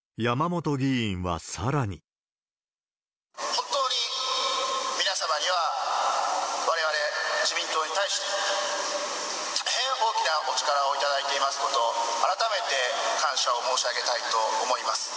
本当に皆様には、われわれ自民党に対し、大変大きなお力を頂いていますことを、改めて感謝を申し上げたいと思います。